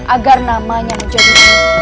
agar namanya menjadi